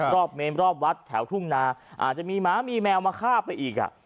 เมนรอบวัดแถวทุ่งนาอาจจะมีหมามีแมวมาฆ่าไปอีกอ่ะ